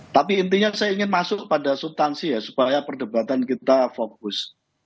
tapi intinya saya ingin masuk pada subtansi ya supaya perdebatan kita fokus